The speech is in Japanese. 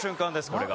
これが。